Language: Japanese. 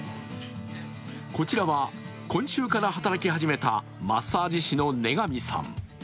こちらは今週から働き始めたマッサージ師の根上さん。